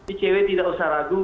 icw tidak usah ragu